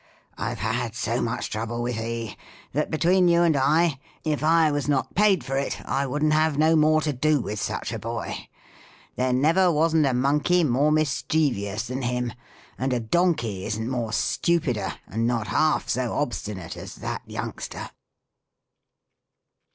I have had so much trouble with he, that between you and I, if I was not paid for it, I wouldn't have no more to do with such a boy. There never wasn't a monkey more mischicvious than him ; and a donkey isn't more stupider and not half so obstinate as that youngster."